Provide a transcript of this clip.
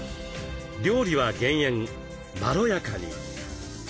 料理は減塩まろやかに。